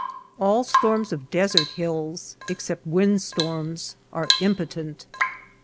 All storms of desert hills, except wind storms, are impotent.